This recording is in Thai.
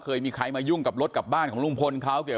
เคยมีใครมายุ่งกับรถกับบ้านของลุงพลเขาเกี่ยว